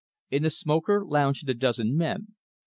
In the smoker lounged a dozen men.